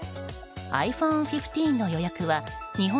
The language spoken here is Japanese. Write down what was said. ｉＰｈｏｎｅ１５の予約は日本